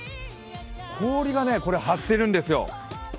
氷が張っているんですよ。